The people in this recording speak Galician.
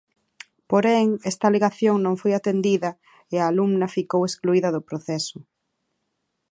Porén esta alegación non foi atendida e a alumna ficou excluída do proceso.